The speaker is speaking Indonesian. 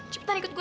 cepetan ikut gue